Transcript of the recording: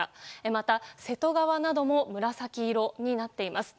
また、瀬戸川なども紫色になっています。